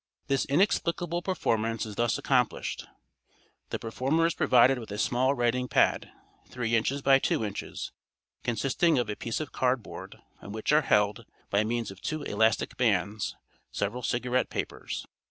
This inexplicable performance is thus accomplished: The performer is provided with a small writing pad, 3 in. by 2 in., consisting of a piece of card board, on which are held, by means of two elastic bands, several cigarette papers.